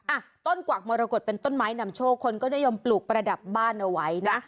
อ่ะต้นกวักมรกฏเป็นต้นไม้นำโชคคนก็นิยมปลูกประดับบ้านเอาไว้นะ